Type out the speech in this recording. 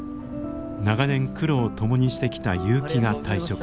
長年苦労を共にしてきた結城が退職しました。